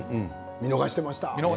見逃していました。